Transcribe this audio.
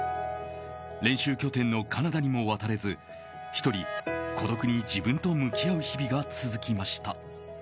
練習拠点のカナダにも渡れず１人孤独に自分と向き合う日々が続きました。